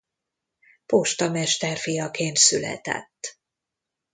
Postamester fiaként született.